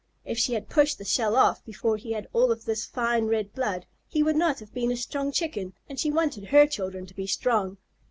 If she had pushed the shell off before he had all of this fine red blood, he would not have been a strong Chicken, and she wanted her children to be strong.